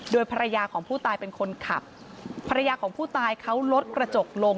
โดยภรรยาของผู้ตายเป็นคนขับภรรยาของผู้ตายเขาลดกระจกลง